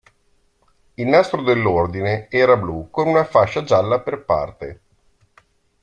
Il nastro dell'ordine era blu con una fascia gialla per parte.